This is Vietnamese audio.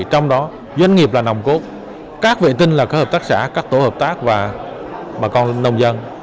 trong đó doanh nghiệp là nồng cốt các vệ tinh là các hợp tác xã các tổ hợp tác và bà con nông dân